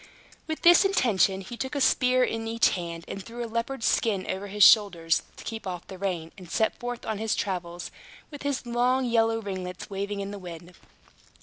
With this intention, he took a spear in each hand, and threw a leopard's skin over his shoulders, to keep off the rain, and set forth on his travels, with his long yellow ringlets waving in the wind.